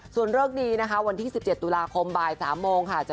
ส่วนเลิกดีนะคะวันที่๑๗ตุลาคมบ่าย๓โมงค่ะ